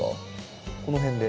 この辺で。